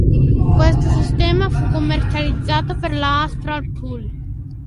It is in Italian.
Questo sistema fu commercializzato per la Astral Pool.